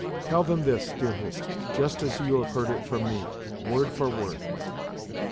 Tell them this, dear Hist, just as you have heard it from me, word for word."